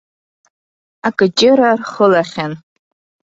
Акыҷыра рхылахьан.